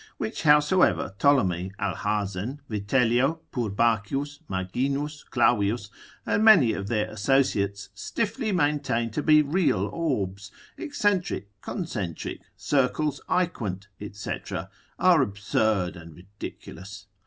Which howsoever Ptolemy, Alhasen, Vitellio, Purbachius, Maginus, Clavius, and many of their associates, stiffly maintain to be real orbs, eccentric, concentric, circles aequant, &c. are absurd and ridiculous.